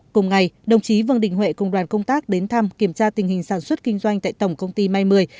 cùng ngày đồng chí vương đình huệ cùng đoàn công tác đến thăm kiểm tra tình hình sản xuất kinh doanh tại tổng công ty mai mười